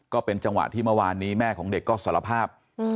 ก็เป็นจังหวะที่เมื่อวานนี้แม่ของเด็กก็สารภาพ